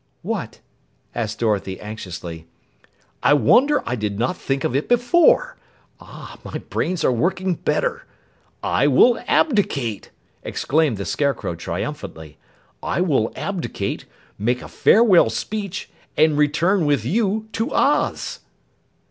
"What?" asked Dorothy anxiously. "I wonder I did not think of it before. Ah, my brains are working better! I will abdicate," exclaimed the Scarecrow triumphantly. "I will abdicate, make a farewell speech, and return with you to Oz!"